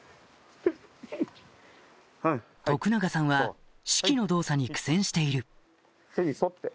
徳永さんは指揮の動作に苦戦している背に沿って。